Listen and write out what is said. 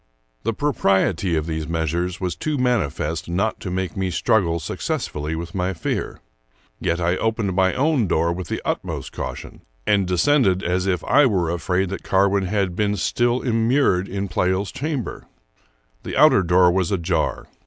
The propriety of these measures was too manifest not to make me struggle successfully with my fears. Yet I opened my own door with the utmost caution, and de scended as if I v/ere afraid that Carwin had been still im mured in Pleyel's chamber. The outer door was ajar.